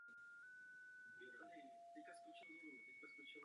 Třetí a poslední bod se týká umístění.